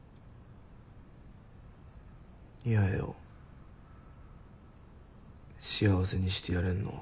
八重を幸せにしてやれんのは。